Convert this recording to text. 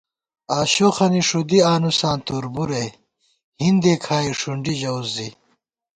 آشوخَنی ݭُدِی آنُوساں تُربُرے ، ہِندے کھائی ݭُنڈی ژَوُس زِی